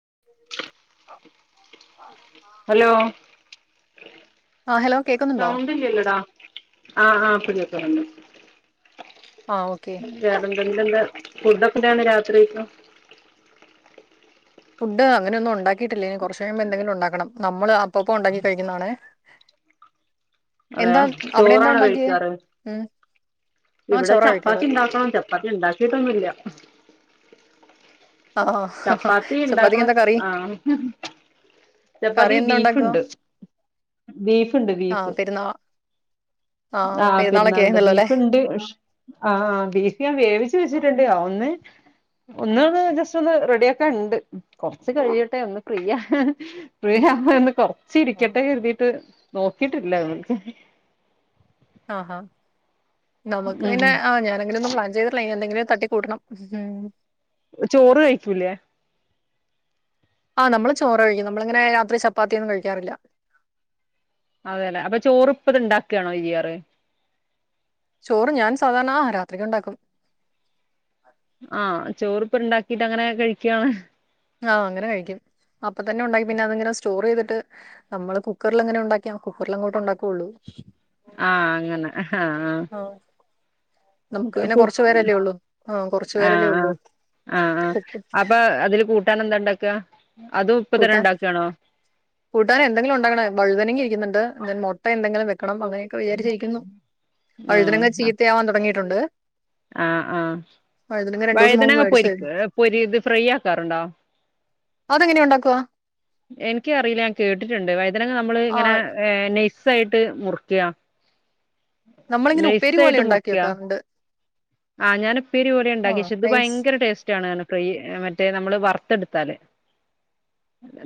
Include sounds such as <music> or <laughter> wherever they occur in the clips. <inaudible> Hello ആഹ് hello കേക്കുന്നുണ്ടോ സൗണ്ടില്ലൊല്ലടാ ആഹ്ആഹ് <unintelligible> ആഹ് ഓക്കെ വതന്തന്തെന്താ ഫുഡൊക്കെന്താണ് രാത്രികക്ക് ഫുഡ് അങ്ങനെയ ഒന്നും ഉണ്ടാക്കിട്ടില്ല ഇനി കുറച്ച കഴിയുമ്പോ എന്തെങ്കിലും ഉണ്ടാക്കണം നമ്മള് അപ്പപ്പോ ഉണ്ടാക്കി കഴിക്കുന്നാണേ അതെയ ചോറാണ് കഴിക്കാറ് ഉം ആഹ് ഇവിടെ ചോറാ കഴിക്കാറ് ചപ്പാത്തി ഉണ്ടാക്കണം ചപ്പാത്തി ഉണ്ടാക്കിട്ടൊന്നുല്ല ആഹ് ചപ്പാത്തി ചപ്പാത്തിക്ക് ഉണ്ടാക്കണ എന്താ കറി ആഹ് ഹ് കറി ഹ്ചപ്പാത്തി എന്താ ഉണ്ടാക്കുക ബീഫിണ്ട് ബീഫിണ്ട് ആഹ് ബീഫ് പെരുന്നാ ആഹ് ആഹ പെരുന്നാളൊക്കെ പെരുന്നാളുണ്ട് ആയിരുന്നല്ലോ അല്ലേ ബീഫിണ്ട് ഷ് ആ ആ ബീഫ് ഞാൻ വേവിച്ചു വെച്ചിട്ടുണ് ണ്ട്ഒന്ന് ഒന്ന് ജസ്റ്റ് ഒന്ന് റെഡി ആക്കാൻ ഉണ്ട് കൊറച്ച് കഴിയട്ടെ ഒന്ന് ഫ്രിയ ഫ്രിയാവാൻ കൊറ്ച്ച് ആ ചിരിക്കട്ടെ കരുതിയിട്ട് നോക്കിട്ടില്ല <unintelligible> ആഹ്ഹ നമുക്ക് ഉം പിന്നെ ഞാനങ്ങന ഒന്നും പ്ലാൻ ചെയ്തിട്ടില്ല എന്തെങ്കിലും തട്ടി കൂടണം ഉം ചോറ് കഴിക്കൂലേ ആഹ് നമ്മള് ചോറ് കഴിക്കും നമ്മളിങ്ങനെ രാത്രി ചപ്പാത്തിയ ഒന്നും കഴിക്കാറില്ല അതെലെ അപ്പൊ ചോറപ്പത് ഇണ്ടാക്കാണോ ചെയാറ് ചോറ് ഞാൻ സാധാരണ ആ രാത്രിക്ക് ഉണ്ടാക്കും ആഹ് ചോറിപ്പ ഇണ്ടാക്കിട്ട് അങ്ങനെ കഴിക്കാണ് ആഹ് അങ്ങനെ കഴിക്കും അപ്പൊ തന്നെ ഉണ്ടാക്കി പിന്നെ അതെങ്ങനെ സ് സ്റ്റോർ ചെയ്തിട്ട് നമ്മള് കുക്കറിൽ എങ്ങനെ ഉണ്ടാക്കി കുക്കറിൽ അങ്ങോട്ട് ഉണ്ടാക്കുള്ളൂ ആഹ് അങ്ങനെ ഹ ഹ ആഹ് നമുക്ക് ആഹ പിന്നെ കുറച്ചു പേരല്ലേ ഉള്ളൂ ആഹ് കുറച്ചു ആ പേരല്ലേ ഉള്ളൂ ആഹ് ആ അപ്പൊ അതിൽ കൂട്ട് കിട്ടാനെന്തു ഉണ്ടാക്ക കൂട്ടാൻ കൂട്ടാന എന്തെങ്കിലും ഉണ്ടാക്കണേ വഴുതന ഇരിക്കുന്നുണ്ട് മുട്ട എന്തങ്കിലും വെക് കടം അങ്ങനെയൊക്കെ വിചാരിച്ചിരിക്കുന്നു വഴുതിന ചീത്തയാവാൻ തുടങ്ങി ട്ടുണ്ട് ആ ആ രണ്ട് ദിവസം മുമ്പ് വഴുതനങ്ങ മേടിച്ചായിരുന്നു പൊരിക്കുവ പെരിയിത് ഇത് ഫ്രൈ ആക്കാറുണ്ടോ അതെങ്ങനെ ഉണ്ടാക്കുവാ എനിക്കറിയില്ല ഞാൻ കേട്ടിട്ടുണ്ട് വൈദ്യനങ്ങ നമ്മള് ഇങ്ങനെ ആഹ് ഏ <unintelligible> സായിട്ട് മുറിക്ക നമ്മളിങ്ങനെ ഉപ്പേരി പോലെ നൈസായിട്ട് ഉണ്ടാക്കി മുറിക്ക വെക്കാറുണ്ട് ആഹ് ഞാന് ഉപ്പേരിപ്പോലെണ്ടാക്കി ആഹ് വെച്ചെ ഇത് നൈസ് ഭയങ്കര ടേസ്റ്റാണെറ്ഞ്ഞ് ഫ്രൈ മറ്റേ നമ്മള് വറുത്തെടുത്താല്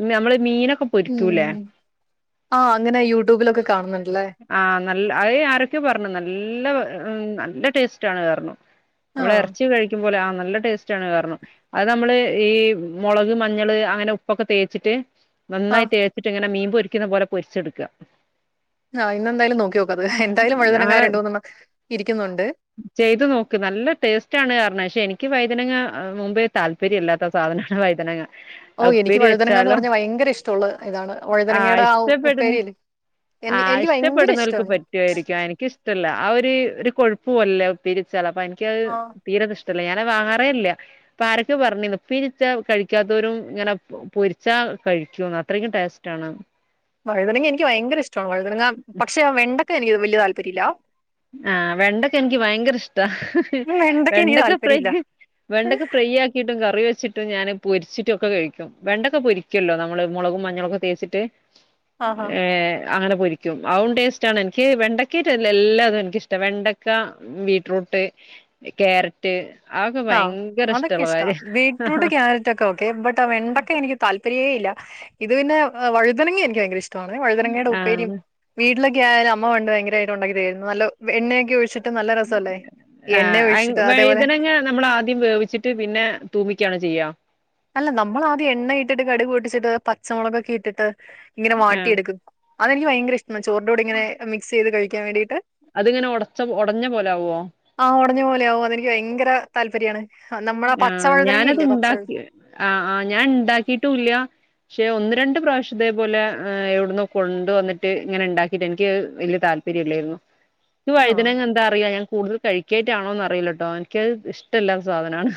മ്യ നമ്മള് മീനൊ ക്കെ പൊരിക്കൂല്ലെ ഉം ആഹ് അങ്ങനെ യൂട്യൂബിലൊക്കെ കാണുന്നുണ്ടല്ലേ ആ നല്ല അയ് ആരൊക്കയൊ പറഞ്ഞു നല്ല വെ ഏ ഉം നല്ല ടേസ്റ്റാണ് പറ്ഞ്ഞു നമ്മള് ആഹ് എറച്ചി കഴിക്കുമ്പോലെ ആ നല്ല ടേസ്റ്റാണ് പറ്ഞ്ഞു അത് നമ്മള് ഈ മൊളക് മഞ്ഞള് അങ്ങനെ ഉപ്പൊക്കെ തേച്ചിട്ട് നന്നായി ആഹ് തേച്ചിട്ട് ഇങ്ങനെ മീൻ പൊരിക്ക്ന്നപോലെ പൊരിച്ചെട്ക ആഹ് ഇന്നെന്തായാലും നോക്കിനോക്കാത് എന്തായാലും വഴുതനങ്ങാ അങ്ങനെ രണ്ടൂന്നെണ്ണം ഇരിക്കുന്നുണ്ട് ചെയ്ത് നോക്ക് നല്ല ടേസ്റ്റാണ് പറ്ഞ്ഞ് ക്ഷെ എനിക്ക് വഴുതനങ്ങ മുമ്പേ താല്പര്യല്ലാത്ത സാധനാണ് വഴുതനങ്ങ ഓ എനിക്ക് വഴുതനങ്ങാന്ന് പറഞ്ഞാ ഭയങ്കര ഇഷ്ടള്ള ഇതാണ് ആഹ് വഴുതനങ്ങയുടെ ആ ഉ ഇഷ്ടപ്പെടുന്ന ഉപ്പേരില്ലെ എന്നി ആഹ് എനിക്ക് ഭയങ്കര ഇഷ്ടപ്പെടുന്നോൽക്ക് ഇഷ്ടവാണ് പറ്റുവായിരിക്കും എനിക്കിഷ്ടല്ല ആ ഒരു ഒരു കൊഴുപ്പ് പോലല്ലേ അത് ഉപ്പേരി ചെല പ്പന് ഇന്ക്കയ് ആ തീരെ ഇഷ് ടല്ല ഞാന് അത് വാങ്ങാറേല്ല ഇപ്പ ആരൊക്കെ പറഞ്ഞ് ഇന്ന് ഉപ്പേരിച്ചാ കഴിക്കാത്തവരും ഇങ്ങനെ പൊ പൊരിച്ചാ കഴിക്കൂന്ന് അത്രക്കും ടേസ്റ്റാണ് വഴുതനങ്ങ എനിക്കി ഭയങ്കര ഇഷ്ടവാ വഴുതനങ്ങ പക്ഷെ വെണ്ട ഇപ്പ എനിക്ക് വെല്യ താല്പര്യല്ല ആഹ് വെണ്ടക്ക എനിക്ക് ഭയങ്കര ഇഷ്ടാ ഉം, എനിക്ക് വെണ്ടക്ക ഫ്രൈ താല്പര്യമില്ല വെണ്ടക്കെ ഫ്രൈ ആക്കിട്ടും കറി വെച്ചി ട്ടും ഞാന് പൊരിച്ചിട്ടൊക്കെ കഴിക്കും വെണ്ടൊക്കെ പൊരിക്കുല്ലോ നമ്മള് മോളകും മഞ്ഞളൊക്കെ തേച്ചിട്ട് ആഹാ ഏഹ് അങ്ങന പൊരിക്കും അവും ടേസ്റ്റാണ് എനിക്ക് വെണ്ടക്കട്ട് എല്ലാതു എനിക്കിഷ്ടാ വെണ്ടക്ക, ബീറ്റ്റൂട്ട്, ക്യാരറ്റ് അതൊക്കെ ആഹ് ഭയങ്കര അതൊക്കെ ഇഷ്ടള്ള ഇഷ്ടാ കാര്യ ബീറ്റ്റൂട്ട്, ക്യാരറ്റ് ഒക്കെ ഓക്കെ ബട്ട് ആ വെണ്ടക്ക എനിക്ക് താല്പ പര്യവേ ഇല്ല ഇത് പിന്നെ വഴുതനങ്ങ എനിക്ക് ഭയങ്കര ഇഷ്ടാ ട്ടണേ വഴുതനങ്ങേടെ ഉപ്പേരിം ആഹ് വീട്ടില ക്കായാലും അമ്മ പണ്ട് ഭയങ്കരായ്ട്ട് ഒണ്ടാക്കി തരുവാരുന്നു നല്ല എണ്ണയൊക്കെ ഒഴിച്ചി ആ അയ് അതേപോലെ വയ്ദനങ്ങ നമ്മള് ആ വേവിച്ചിട്ട് പിന്നെ തൂമിക്കയാണ ചെയ്യ അല്ല നമ്മള് ആദ്യം എണ്ണ ഇട്ടിട്ട് കടുക്പൊട്ടിച്ചിട്ട് പച്ചമുളകൊക്കെ ഇട്ടിട്ട് ഇങ്ങനെ ആഹ് വാട്ടിഎടുക്കും അതെനിക്ക് ഭയങ്കരിഷ് ആ ചോറിൻ്റോടെ ഇങ്ങനെ മിക്സ്ചെയ്ത് കഴി കെ വേടിട്ട് അതിങ്ങനെ ഒടച്ച ഒടഞ്ഞ പോലെ ആവോ താല്പര്യാണ് ആ ഞാനത്ഇണ്ടാക്കി ആ ആ ഞാൻ ഉണ്ടാക്കിട്ടുംല്ല പക്ഷെ ഒന്ന് രണ്ട് പ്രാവശ്യം ഇതേ പോലെ എവിടന്നോ കൊണ്ട് വന്നിട്ട് ഇങ്ങനെ ഇണ്ടാക്കിട്ട് എനിക്ക് വലിയ താല്പര്യം ഇല്ലായിരുന്നു ഈ വഴുതനങ്ങ ആഹ് എന്താറിയാ ഞാൻ കൂടുതൽ കഴിക്കാഞ്ഞിട്ടാണോന്ന് അറിയില്ലോട്ടോ എനക്കത് ഇഷ്ടല്ലാത്ത സാധനമാണ്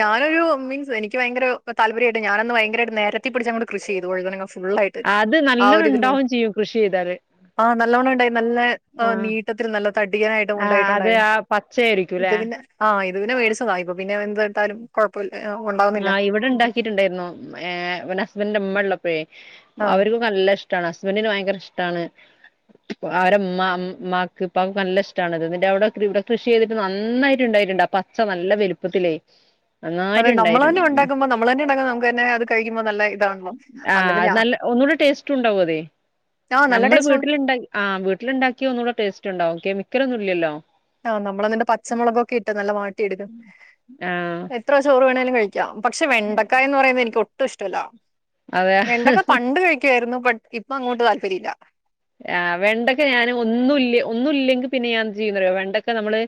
ഞാനൊരു മീൻസ് എനിക്ക് ഭയങ്കര താല്പര്യമായിട്ട് ഞാനന്ന് ഭയങ്കര താല്പര്യം ആയിട്ട് ഞാൻ അങ്ങട് നെരത്തി പിടിച്ച് അങ്ങ്ട് കൃഷി ചെയ്ത് വഴുതനങ്ങ ഫുൾ ആയിട്ട് അത് നല്ലോണം ആഒരു ഇണ്ടാവും ചെയ്യും കൃഷി ചെയ്താല് ആ നലോണം ഉണ്ടായി നല്ല ആഹ് നീട്ടത്തില് നല്ല തടിയിട്ട് ആഹ് അത് ഉണ്ടായിട്ട്ണ്ടായിരുന്നു ആ ഇത് പച്ചയായിരിക്കുംല്ലേ പിന്നെ ആ ഇത് പിന്നെ മേടിച്ചതാ ഇപ്പൊ പിന്നെ ഇട്ടാലും കൊഴപ്പമില്ല ഉണ്ടാവുന്നില്ല ആ ഇവിടെ ഉണ്ടാക്കിട്ടുണ്ടായിരുന്നു ഏ ഹസ്ബന്റെ ഉമ്മ ഉള്ളപൊ ആഹ് അവര്ക്ക് നല്ല ഇഷ് ഹസ്ബഡിനു ഭയങ്കര ഇഷ്ടമാണ് അവരമ്മ അമ്മാക്ക് ഇപ്പാക്ക് നല്ല ഇഷ്ടമാണ്ത് എന്നി അവിടെ ഇവിടെ കൃഷി ചെയ്തിട്ട് നന്നായിട്ട് ഉണ്ടായിട്ടുണ്ട് ആ പച്ച നല്ല വലുപ്പത്തിലേ അതെ നന്നായിട്ട് നമ്മള് തന്നെ ഉണ്ടായിരുന്നു ഉണ്ടാക്കുമ്പോ നമ്മള് തന്നെ ഉണ്ടാക്കുമ്പോ നമുക്ക് തന്നെ അത് കഴിക്കുമ്പോ നല്ല ഇതാണല്ലോ ആ അന്നിട്ട് ഞാൻ നല്ല ഒന്നുകൂടെ ടേസ്റ്റ് ഉണ്ടാവും അതെ ആ നല്ല നമ്മള് ടേസ്റ്റ് ആണ് വീട്ടിലുണ്ടാക്കി ആ വീട്ടിൽണ്ടാക്കിയാൽ ഒന്നുകൂടെ ടേസ്റ്റ് ഉണ്ടാവും കെമി ഇത്രന്നുല്ലല്ലോ ആ നമ്മളതിന്റെ പച്ചമുളകൊക്കെ ഇട്ട് നല്ല വട്ട ആഹ് എത്ര ചോറ് വേണേലും ഴിക്കാം പക്ഷെ വെണ്ടക്കായ എന്ന് പറയുന്നത് എനിക്ക് ഒട്ടും ഇഷ്ടല്ല അതെ വെണ്ടയ്ക്ക പണ്ട് കഴിക്കുവായിരുന്നു ഇപ്പ അങ്ങോട്ട് താല്പരില്ല ആ വെണ്ടക്കാ ഞാൻ ഒന്നുല്ല ഒന്നുല്ലെങ്കിൽ പിന്നെ ഞാൻ എന്ത് ചെയ്യുമെന്ന്റിയോ വെണ്ടക്ക നമ്മള്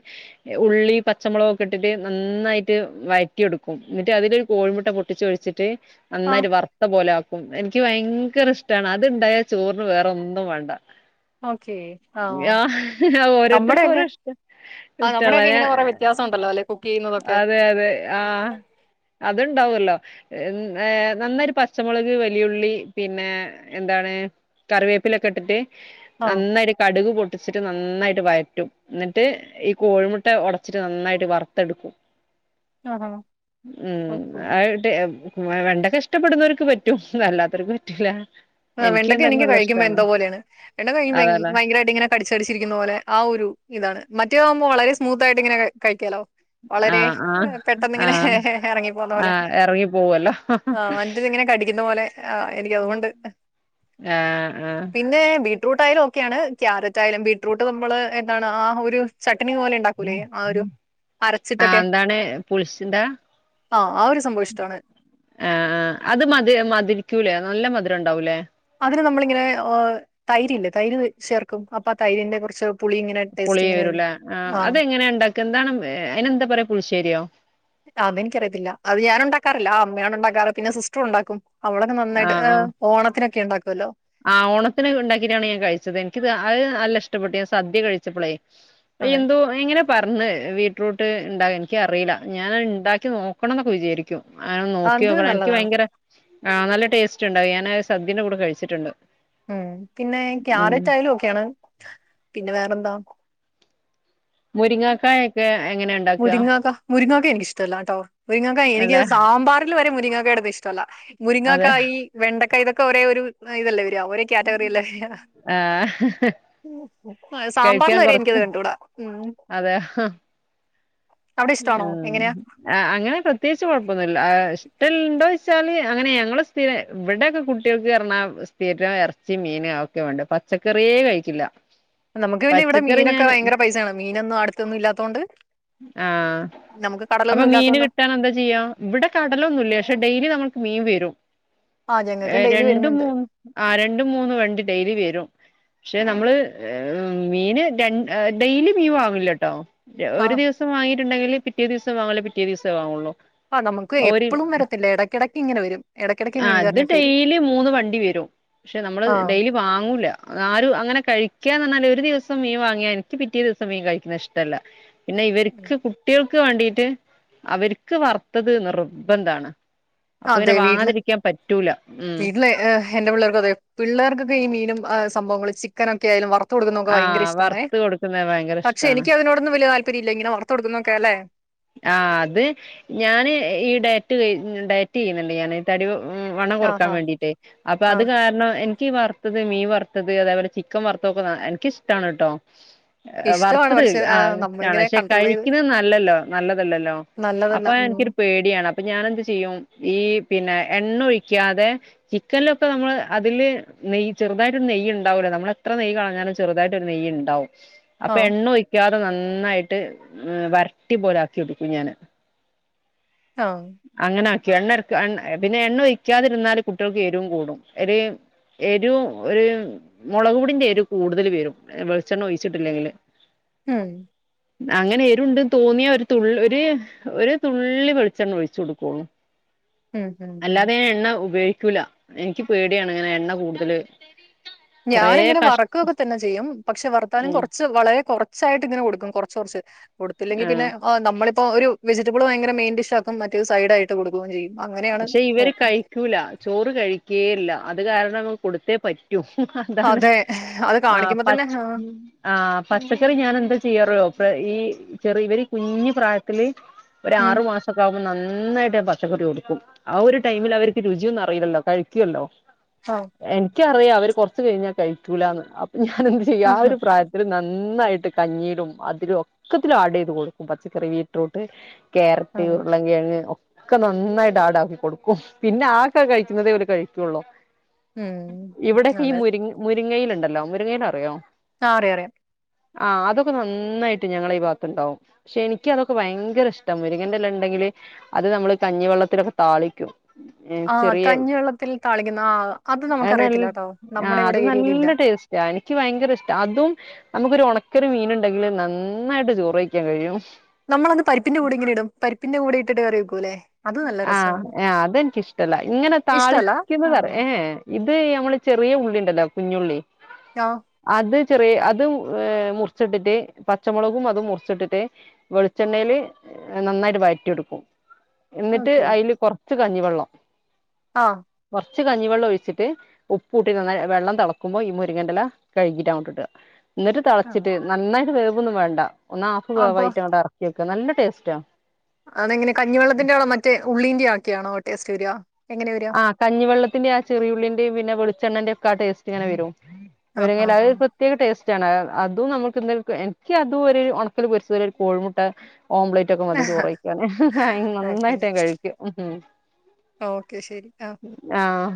ഉള്ളി പച്ചമുളകൊക്കെ ഇട്ടിട്ട് നന്നായിട്ട് വയറ്റിഇടുക്കും എന്നിട്ട് അതിലൊരു കോഴിമുട്ട പൊട്ടിച്ച് ഒഴിച്ചിട്ട് ആ നന്നായിട്ട് ഒരു വർത്ത പോലെ എനിക്ക് ഭയങ്കര ഇഷ്ടമാണ് അത്ണ്ടായ ചോറിന് വേറെ ഒന്നും വെ ണ്ട ഓക്കേ ആ ആ ഓരോരുത്തർക്കും ഓരോ നമ്മുടെയൊക്കെ ഇഷ്ടം ആ ഇഷ്ടല്ല നമ്മുടെയൊക്കെ ഞ ഇങ്ങനെ കുറെ വ്യത്യാസം ഉണ്ടല്ലോ അല്ലെ കുക്ക് ചെയ്യുന്നതൊക്കെ അതെ അതെ ആ അതുണ്ടാവല്ലോ ഏ നന്നായിട്ടു പച്ചമുളക് വലിയുള്ളി പിന്നെ എന്താണ് കറിവേപ്പിലൊക്കെ ഇട്ടിട്ട് ആ നന്നായിട്ട് കടുക് പൊട്ടിച്ച് ട്ട് നന്നായിട്ട് വയറ്റും ഇന്നിട്ട് ഈ കോഴിമുട്ട ഒടച്ചിട്ട് നന്നായിട്ട് വറു ത്തെടുക്കും ആഹാ <unintelligible> ഓക്കേ വെ വെണ്ടക്ക ഇഷ്ടപ്പെടുന്നവർക്ക് പറ്റും അല്ലാത്തവർക്ക് പറ്റൂല ആ വെണ്ടക്ക എന്തായാലും എനിക്ക് നല്ല കഴിക്കുമ്പോൾ ഇഷ്ടാണ് എന്തോപോലേണ് വെണ്ടക്ക കഴിക്കുമ്പോ അതല്ലേ ഭയങ്കരമായിട്ട് ഇങ്ങനെ കടിച് കടിച്ചിരിക്ക്ണ പോലെ ആ ഒരു ഇതാണ് മറ്റോകുമ്പോ മുളക് വളരെ സ്മൂത്തായിട്ട് ഇങ്ങനെ കഴിക്കാലോ ആ വളരെ ആ ആ പെട്ടെന്നിങ്ങനെ ഇറങ്ങി പോകുന്ന ആ പോലെ എറങ്ങി പോവല്ലോ ആ എനിക്ക് അതുകൊണ്ട് അ ആ ട്ടായാലും ഓക്കെയാണ് ക്യാരറ്റ് ആയാലും ബീട്രൂട്ട് നമ്മള് എന്താണ് ആ ഒര് ച ആ അരച്ചിട്ടൊക്കെ ന്താണ് പുളിച്ചിന്താ ആഹ് ആ ഒരു സംഭവം ഇഷ്ടമാണ് ആ അത് മതി മതിരിക്കൂലെ നല്ല മധുരം ണ്ടാവൂലെ അതിന് നമ്മളിങ്ങനെ ഓ തൈര്ഇല്ലെ തൈര് ചേർക്കും അപ്പൊ തൈരിന്റെ കൊറച്ച് പുളി വരുലെ ആ അതെങ്ങനെ ണ്ടാക്ക എന്താണ് മ് എ അയിന് എന്താ പറിയ പുളിശ്ശേ ശെരിയോ അത് എനിക്കറിയത്തില്ല അത് ഞാൻ ഉണ്ടാക്കാറില്ല ആ അമ്മയാണ് ഉണ്ടാക്കാറ് പിന്നെ സിസ്റ്റർ ഉണ്ടാക്കും അവളൊക്കെ ആ നന്നായിട്ട് ആ ഹ് ഓണത്തിനൊക്കെണ്ടാക്കുല്ലോ ആ ഓണത്തിന് ഇണ്ടാക്കിട്ടാണ് ഞാൻ കഴിച്ചത് എനിക്ക്ത് അത് നല്ല ഇഷ്ടപ്പെട്ട് ഞാൻ സദ്യ കഴിച്ചപ്പളെ അതെ എന്തോ എങ്ങനെ പറഞ്ഞേ വീട്ട്രൂട്ട് ണ്ടാക്കൻ ന്ക്കി അറീല ഞാൻ ണ്ടാക്കി നോക്കണംന്നൊക്കെ വിചാരിക്കും അനെ അത് നോക്കിയോക്കണം എനിക്ക് നല്ലതാണ് ഭയങ്കര ആ നല്ല ടെസ്റ്റ്‌ ണ്ടാവും ഞൻ അത്‌ സദ്യന്റെ കൂടെ കഴി ച്ചിട്ടുണ്ട് മ് പിന്നെ ഈ ക്യാരറ്റ് ആയാലും ഓക്കെയാണ് പിന്നെ വേറെന്താ മുരിങ്ങക്കായൊക്കെ മുരിങ്ങക്ക മുരിങ്ങക്ക എനിക്ക് ഇഷ്ട്ടാല്ലാട്ടോ മുരിങ്ങക്ക എനിക്ക് അല്ലെ സാമ്പാറിൽ വരെ മുരിങ്ങ ക്ക ഇടുന്നെ ഇഷ്ട്ടോല്ലാ അതെ മുരിങ്ങക്കായി വെണ്ടക്ക ഇതൊ ക്കെ ഒരേ ഒരു അ ഇതല്ലേ വെ ഒരേ കാറ്റഗറിയലെ യാ ആ ആ സാമ്പാറിൽ കഴിക്കാൻ വരെ എനിക്കത് കുറച്ച് കണ്ടൂടാ അതെ ആ അ അങ്ങനെ പ്രത്യേകിച്ച് കൊഴപ്പൊന്നു ന്നില്ല ആ ഇഷ്ട്ടൽ ണ്ടോ വെച്ചാല് അങ്ങനെ ഞങ്ങൾ സ്ഥിരം ഇവിടൊക്കെ കുട്ടിൾക്ക് പർഞ്ഞ സ്ഥിരം എറച്ചിം മീൻ അതൊക്കെ വേണ്ടെ പച്ചക്കറിയെ കഴിക്കില്ല നമുക്ക് പിന്നെ ഇവിടെ പച്ചക്കറി മീനൊക്കെ ഞാൻ ഭയങ്കര പൈസയാണ് മീനൊന്നും അടുത്തൊന്നും ഇല്ലാത്തോണ്ട് ആ നമുക്ക് അപ്പൊ കടലൊന്നും മീന് ഇല്ലാത്തോണ്ട് കിട്ടാൻ എന്താ ചെയ്യാ ഇവിടെ കടലൊന്നും ഇല്ല്യ പശെ ഡെയിലി നമ്മ ക്ക് മീൻ വെരും ആഹ് ഏ ഞങ്ങൾക്കും ഡെയിലി രണ്ടും വരുന്നുണ്ട് മൂ ആ രണ്ടും മൂന്ന് വണ്ടി ഡെയിലി വെരും പക്ഷെ നമ്മള് ഹ് മീന് ര ഹ് ഡെയിലി മീൻ വാങ്ങില്ലട്ടോ ഒരു ആഹ് ദിവ ണ്ടെങ്കിൽ പിറ്റേ ദിവസം വാങ്ങൂല പിറ്റേ ദിവസേ വാങ്ങള്ളു ആഹ് നമുക്ക് ഒരി എപ്പളും വരത്തില്ല ഇടയ്ക്കിടയ്ക്ക് ഇങ്ങനെ വരും ഇടയ്ക്കിടയ്ക്ക് ആ അത് മീൻകാരനൊക്കെ വരും ഡെയിലി മൂന്ന് വണ്ടി വരും പശെ നമ്മള് ആഹ് ഡെയിലി വാങ്ങൂല അ ആരും അങ്ങനെ കഴി <unintelligible> ഒരു ദിവസം മീൻ വാങ്ങിയ എനിക്ക് പിറ്റേ ദിവസം മീൻ കഴിക്ക്ണ ഇഷ്ടല്ല പിന്നെ ഇക്ക് പുട്ടിയോ <unintelligible> വേണ്ടീട്ട് അവർക്ക് വറുത്തത് നിർബന്താണ് അതെ വീട്ടില് ഉം വീട്ടിൽ ഹ് എന്റെ പിള്ളേർക്കും അതെ പിള്ളേർക്കൊക്കെ ഈ മീനും സംഭവങ്ങൾ ചിക്കനൊക്കെ ആയാലും വർ ത്തു കൊടുക്കുന്നതൊക്കെ ആ ഭയങ്കര ഇഷ്ടമാണ്ണേ വറുത്ത് കൊടുക്കുന്നത് ഭയങ്കര പക്ഷെ ഇഷ്ടാണ് എനിക്ക് അതിനോടൊന്നും വലിയ താല്പ കരിയില്ല ഇങ്ങനെ വർത്ത് കൊടുക്കുന്നോക്കെ അല്ലേ ആ അത് ഞാന് ഈ ഡയറ്റ് ക <unintelligible> ഡയറ്റ് ചെയ്യുന്നുണ്ട് ഞാന് തടി വണ്ണം ആഹ് കൊറക്കാൻ ആഹ് വേണ്ടീട്ടേ അപ്പൊ അത് ആഹ് കാരണം എ <unintelligible> വറുത്തത് മീൻ വറുത്തത് അതേപോലെ ചിക്കൻ വറുത്തതൊക്കെ എനിക്കിഷ്ടാണ് ട്ടോ ഇഷ്ടമാണ് വറുത്തത് പക്ഷെ ആഹ് ഇഷ്ടാണ് നമ്മളിങ്ങനെ പക്ഷെ കൺട്രോൾ ചെയ്ത് കഴിക്ക്ണത് നല്ലല്ലോ നല്ലതല്ലല്ലോ നല്ലതല്ല അപ്പൊ ഉം എനിക്കൊരു പേടിയാണ് അപ്പം ഞാൻ എന്ത് ചെയ്യും ഈ പിന്നെ എണ്ണ ഒഴിക്കാതെ ചിക്കനിലൊക്കെ നമ്മള് അതില് നെയ്യ് ചെറുതായിട്ടൊരു നെയ്യ് ഇണ്ടാവൂല്ലേ നമ്മൾ എത്ര നെയ്യ് കളഞ്ഞാലും ചെറുതായിട്ടൊരു നെയ്യ് ഇണ്ടാവും അപ്പ ആഹ് എണ്ണ ഒയ്ക്കാ നന്നായിട്ട് വര ട്ടി പോലെ ആക്കി എട്ക്കും ഞാന് ആഹ് അങ്ങനെ എണ്ണഎടുക്കാണ്ട് എ പിന്നെ എണ്ണ ഒഴിക്കാതിരുന്നാല് കുട്ടികൾക്ക് എരുവും കൂടും എരേം എരുവും ഒരു മുളക് പൊടിന്റെ എരു കൂടുതൽ വരും വെളിച്ചെണ്ണ ഒഴിച്ചിട്ടില്ലെങ്കിൽ മ്മ് അങ്ങനെയെരുണ്ട് തോന്നിയ ഒരു തുള്ള് ഒരു തുള്ളി വെളിച്ചെണ്ണ ഒഴിച്ചു കൊടുക്കുള്ളൂ ഉം ഉം ഉം അല്ലാതെ എണ്ണ ഉപയോ ക്കൂല എനിക്ക് പേടിയാണ് ഇങ്ങനെ എണ്ണ കൂടുതല് കൊറേ ഞാൻ ഇങ്ങനെ കഷ് വറക്കുവൊക്കെ തന്നെ ചെയ്യും പക്ഷെ വർത്താലും ഉം കുറച്ച് വളരെ കുറച്ചായിട്ട് ഇങ്ങനെ കൊടുക്കും ച്ചൊർച്ച് കൊടുത്തില്ലെങ്കിൽ പിന്നെ ആഹ് ആ നമ്മൾ ഇപ്പോൾ ഒരു വെജറ്റബിൾ ഭയങ്കര മെയിൻ ഡിഷ് ആകും മറ്റേത് സൈഡായിട്ട് കൊടുക്കുകയും ചെയ്യും അങ്ങനെയാണ് പക്ഷെ ഇവർ നോക്കും കഴിക്കൂല ചോറ് കഴി കെയില്ല അത് കാരണം കൊടുതെ പറ്റ ഹും അതാണ് അതെ അത് ആ കാണിക്കുമ്പോ തന്നെ പച് ആഹ് ആ പച്ചക്കറി ഞാൻ എന്താ ചെയ്യാറോ ഈ ചെറി ഇവർ കുഞ്ഞു പ്രായത്തില് ഒര് ഉം ആറു മാസക്ക നന്നായിട്ട് പച്ചക്കറി കൊടുക്കും ആ ഒരു ടൈമിൽ അവർക്ക് രുചിയൊന്നും അറിയില്ലല്ലോ കഴിക്കുവല്ലോ ആഹ ക്കറിയാം അവര് കൊറച്ച് കഴിഞ്ഞാ കഴിക്കൂലാന്ന് ഞാൻ എന്ത് ചെയ്യാ ആ ആഹ് ഒരു പ്രായത്തില് നന്നി ന്നായിട്ട് കഞ്ഞീരും അതിലും ഒക്കത്തിലും ആഡ് ചെയ്ത് കൊടുക്കും പച്ചക്കറി വീറ്റ്റൂട്ട് ക്യാരറ്റ് ആഹ് ഉരുളം കിഴങ്ങ് ഒ ക്ക നന്നായി ടാക്കി കൊടുക്കും പിന്നെ ആക്കെ കഴിക്കുന്നതേ അവര് കഴിക്കുള്ളൂ ഉം ഇവിടെക്കെ ഈ അതെ മുരി മുരിങ്ങയില്ണ്ട് ലൗ മുരങ്ങേനറിയോ ആ അറിയാറിയാം ആ അതൊക്കെ നന്നായിട്ട് ഞങ്ങള ഈ ഭാഗത്തുണ്ടാവും പക്ഷെ എനിക്ക് അതൊക്കെ ഭയങ്കര ഇഷ്ടം മുരങ്ങന്റെല്ലാം ഉണ്ടെങ്കില് അത് നമ്മള് കഞ്ഞിവെള്ളത്തിലൊകെ താളിക്കും ആഹ് ചെറിയ കഞ്ഞിവെള്ളത്തിൽ താളിക്കുന്ന ആഹ് അത് ന നമുക്കറിയത്തില്ലാട്ടോ ആ നമ്മുടെ ഇവിടെ അത് ഏരിയയിലില്ല. നല്ല ടേസ്റ്റാ എനിക്ക് ഭയങ്കര ഇഷ്ട അതും നമുക്കൊരണക്ക ക്കൊരു മീനണ്ടെങ്കില് നന്നായിട്ട് ചോറ് കയിക്കാൻ കഴിയും നമ്മള അന്ന് പരിപ്പിന്റെ കൂടിങ്ങന ഇടും പരിപ്പിന്റെ കൂടെ ഇട്ടിട്ട് കറി കുലെ ആ ആ അതെനിക്കിഷ്ടല്ല ഇങ്ങനെ ഇഷ്ടല്ല താളിക്കുന്ന ആഹ് ഏ ഇത് നമ്മള് ചെറ ചറിയ ഉള്ളിണ്ടല്ലോ കുഞ്ഞുള്ളി ആഹ് അത് ചെറിയ അത് ഏ മുറിച്ചിട്ടിട്ട് പച്ചമുളകും അതും മുറിച്ചിട്ടിട്ട് വെളിച്ചെണ്ണേല് നന്നായിട്ട് വയറ്റിടുക്കും എന്നിട്ട് അയില് കൊറ ച്ച കഞ്ഞിവെള്ളം ആ റച്ച് കഞ്ഞിവെള്ളം ഒഴിച്ചിട്ട് ഉപ്പൂട്ടിട്ട് നന്നാ വെള്ളം തെളക്കുമ്പോ ഈ മുരിങ്ങെന്റില കഴുകിടട്ട് ങ്ങണ്ടിട്ട് അങ്ങട്ടിടുക എന്നിട്ട് ആഹ് തളച്ചിട്ട് നന്നായിട്ട് വേ ക്കോന്നും വേണ്ട അപ്പൊ <unintelligible> ക്ക നല്ല ടേസ്റ്റാ അതെങ്ങനെ കഞ്ഞിവെള്ളത്തിന്റെ മറ്റ മറ്റേ ഉള്ളീന്റെ ആക്കിയാണോ ടേസ്റ്റ് വരിക എങ്ങനെ വരിക ആ കഞ്ഞിവെള്ളത്തിന്റെ ആ ചെറിയുള്ളിന്റെയും പിന്നെ വെളു ചെണ്ണേന്റെയുംക്കാ ടേസ്റ്റ് ഇങ്ങനെ വരും ആ ആ മുരിങ്ങേല ആ ഒരു പ്രത്യേക ടേസ് അതും നമ്മുക്ക് എ എനിക്ക് അതും ഒരു ഉണക്കല് പൊരിച്ച ഒരു കോഴിമുട്ട ഓംലേറ്റ് ഒക്കെ മതി ചോറ് കഴിക്കാന് നന്നായിട്ട് നാൻ കഴിക്കും ഒ ആഹ്